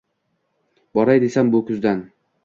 Boray desam, bu kuzdan